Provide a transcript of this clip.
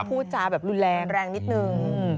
พูดจาแบบรุนแรงแรงนิดนึง